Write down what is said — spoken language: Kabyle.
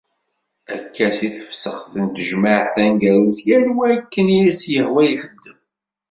Akka seg tefsex tejmeɛt taneggarut, yal wa akken i as-yehwa i ixeddem.